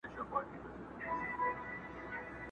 نه په خوله فریاد له سرولمبو لري؛